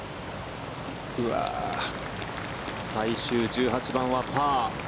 最終１８番はパー。